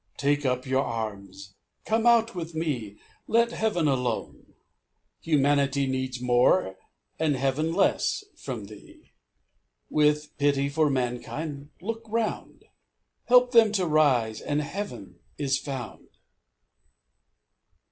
Take up your arms, come out with me, Let Heav'n alone; humanity Needs more and Heaven less from thee. With pity for mankind look 'round; Help them to rise and Heaven is found.